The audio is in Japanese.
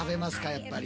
やっぱり。